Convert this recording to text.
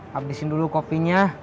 habisin dulu kopinya